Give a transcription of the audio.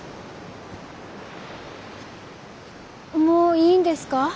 もういいんですか？